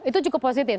itu cukup positif